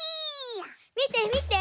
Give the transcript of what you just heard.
みてみて！